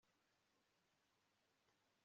ese burya nawe iwanyu murabana batatu!